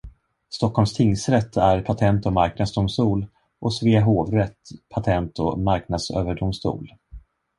Stockholms tingsrätt är Patent- och marknadsdomstol och Svea hovrätt Patent- och marknadsöverdomstol.